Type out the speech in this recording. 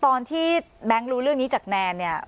ตอนที่แบงซ์รู้เรื่องนี้จากแนนเนี่ย